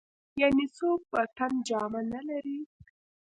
يعنې څوک په تن جامه نه لري.